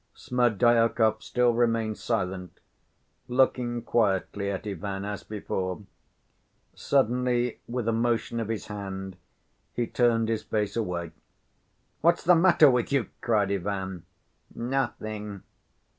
Smerdyakov still remained silent, looking quietly at Ivan as before. Suddenly, with a motion of his hand, he turned his face away. "What's the matter with you?" cried Ivan. "Nothing."